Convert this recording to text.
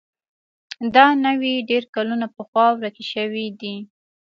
دا نوعې ډېر کلونه پخوا ورکې شوې دي.